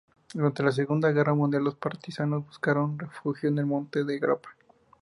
Durante la Segunda Guerra Mundial, los Partisanos buscaron refugio en el Monte Grappa.